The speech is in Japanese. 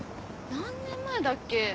何年前だっけ？